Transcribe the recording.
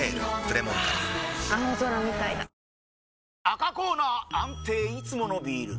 赤コーナー安定いつものビール！